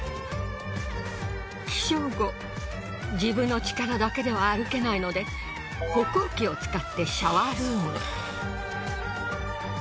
起床後自分の力だけでは歩けないので歩行器を使ってシャワールームへ。